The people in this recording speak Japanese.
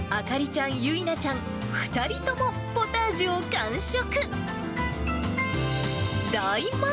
朱莉ちゃん、唯那ちゃん、２人ともポタージュを完食。